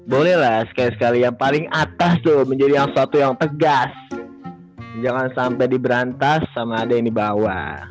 bolehlah sekali sekali yang paling atas tuh menjadi yang suatu yang tegas jangan sampai diberantas sama ada yang dibawa